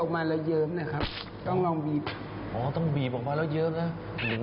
แข่งแข่งขนาดนี้จะบีบเท่าอะไร